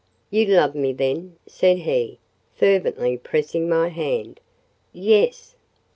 "You love me then?" said he, fervently pressing my hand. "Yes."